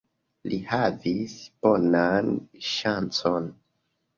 Li havis bonan ŝancon.